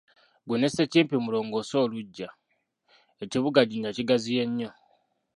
Ggwe ne Ssekimpi mulongoose oluggya, ekibuga jjinja kigaziye nnyo.